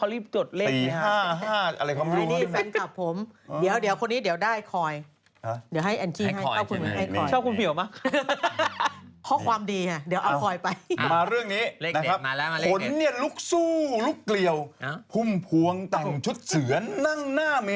อ๋อแล้วทำไมใส่หลังสริปคุณหนุ่ม